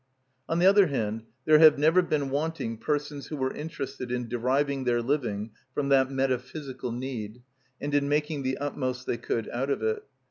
On the other hand, there have never been wanting persons who were interested in deriving their living from that metaphysical need, and in making the utmost they could out of it.